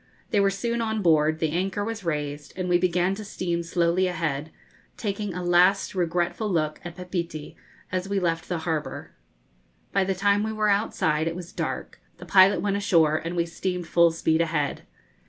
They were soon on board, the anchor was raised, and we began to steam slowly ahead, taking a last regretful look at Papeete as we left the harbour. By the time we were outside it was dark, the pilot went ashore, and we steamed full speed ahead.